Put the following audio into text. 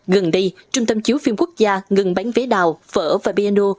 gần đây trung tâm chiếu phim quốc gia ngừng bán vé đào phở và piano